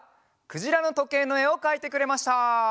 「くじらのとけい」のえをかいてくれました！